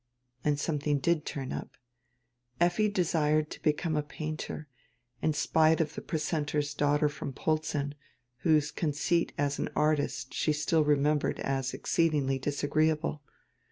And something did turn up. Effi desired to become a painter, in spite of the precentor's daughter from Polzin, whose conceit as an artist she still remembered as exceed ingly disagreeable.